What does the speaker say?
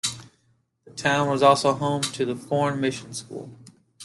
The town was also home to the Foreign Mission School.